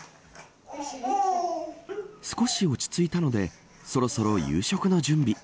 少し落ち着いたのでそろそろ夕食の準備。